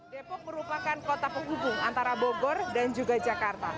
depok merupakan kota penghubung antara bogor dan juga jakarta